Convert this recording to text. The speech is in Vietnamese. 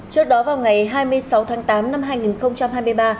trước đó vào ngày hai mươi sáu tháng tám năm hai nghìn hai mươi ba